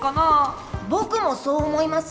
ぼくもそうおもいます。